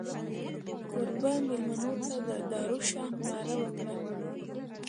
کوربه مېلمنو ته د دارو شه ناره وکړه.